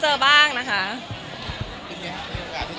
ก็เลยเอาข้าวเหนียวมะม่วงมาปากเทียน